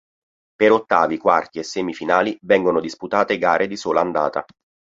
Per ottavi, quarti e semifinali vengono disputate gare di sola andata.